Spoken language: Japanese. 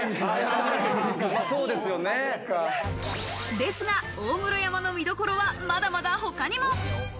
ですが大室山の見どころはまだまだ他にも。